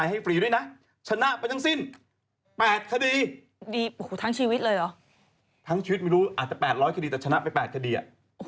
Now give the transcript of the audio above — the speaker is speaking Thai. ตามข่าวหมุนกระดาษอย่างนี้เลย